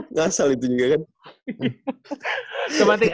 ngasal itu juga kan